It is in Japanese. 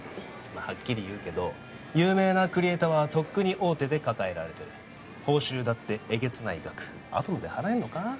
まあはっきり言うけど有名なクリエイターはとっくに大手で抱えられてる報酬だってえげつない額アトムで払えんのか？